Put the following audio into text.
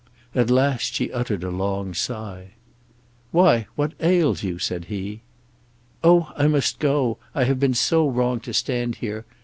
At last she uttered a long sigh. "Why, what ails you?" said he. "Oh, I must go; I have been so wrong to stand here.